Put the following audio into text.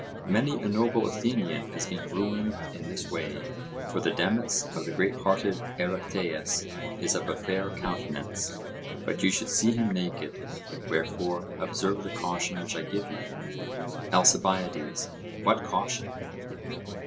Many a noble Athenian has been ruined in this way. For the demus of the great hearted Erechteus is of a fair countenance, but you should see him naked; wherefore observe the caution which I give you. ALCIBIADES: What caution?